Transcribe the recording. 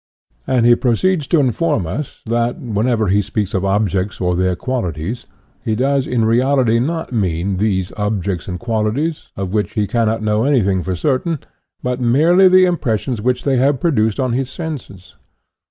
And he proceeds to inform us that, whenever he speaks of objects or their qualities, he does in reality not mean these objects and qualities, of which he cannot know anything for certain, but merely the impressions which they have produced on his senses.